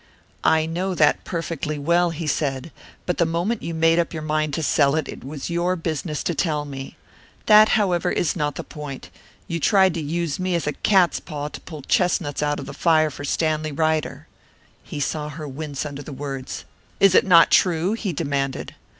"I know that perfectly well," he said; "but the moment you made up your mind to sell it, it was your business to tell me. That, however, is not the point. You tried to use me as a cat's paw to pull chestnuts out of the fire for Stanley Ryder." He saw her wince under the words. "Is it not true?" he demanded.